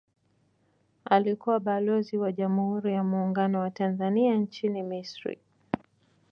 Alikuwa Balozi wa Jamhuri ya Muungano wa Tanzania nchini Misri